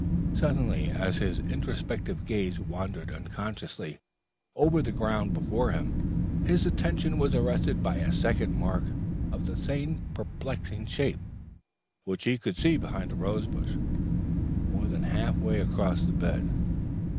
Suddenly as his introspective gaze wandered unconsciously over the ground before him, his attention was arrested by a second mark of the same perplexing shape, which he could see behind a rose bush, more than half way across the bed.